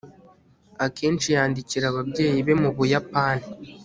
akenshi yandikira ababyeyi be mu buyapani